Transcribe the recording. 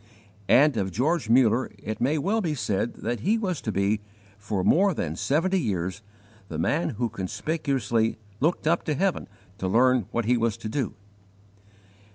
And of George Muller it may well be said that he was to be, for more than seventy years, the man who conspicuously looked up to heaven to learn what he was to do.